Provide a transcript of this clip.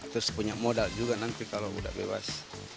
terus punya modal juga nanti kalau udah bebas